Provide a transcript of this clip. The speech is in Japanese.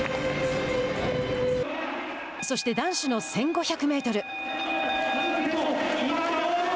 そして男子の１５００メートル。